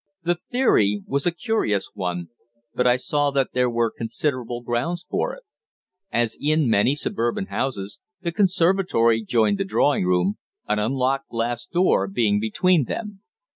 The theory was a curious one, but I saw that there were considerable grounds for it. As in many suburban houses, the conservatory joined the drawing room, an unlocked glass door being between them.